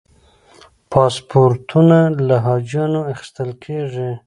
پاسپورتونه له حاجیانو اخیستل کېږي.